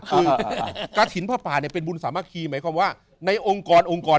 คือกระถิ่นผ้าป่าเนี่ยเป็นบุญสามัคคีหมายความว่าในองค์กรองค์กร